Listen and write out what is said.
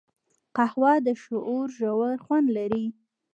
قهوه د شعور ژور خوند لري